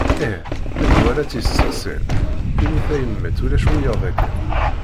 Ih, menhu ara tt-yesteqsin, imi tayemmat ulac wiyyaḍ akken.